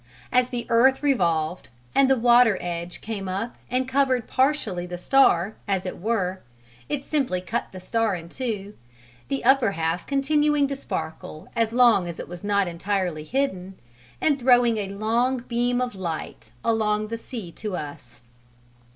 As the earth revolved and the water edge came up and covered partially the star, as it were, it simply cut the star in two, the upper half continuing to sparkle as long as it was not entirely hidden, and throwing a long beam of light along the sea to us.